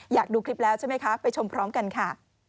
อยากดูคลิปแล้วใช่ไหมคะไปชมพร้อมกันค่ะ